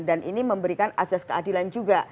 dan ini memberikan asas keadilan juga